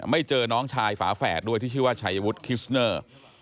เจอน้องชายฝาแฝดด้วยที่ชื่อว่าชัยวุฒิคิสเนอร์